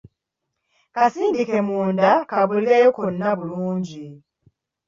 Kasindike munda kabulireyo konna bulungi.